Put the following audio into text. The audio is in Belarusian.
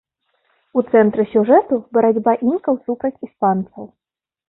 У цэнтры сюжэту барацьба інкаў супраць іспанцаў.